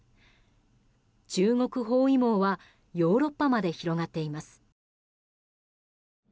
中国包囲網はヨーロッパまで広がっています。